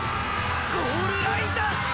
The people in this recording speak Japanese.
ゴールラインだ！！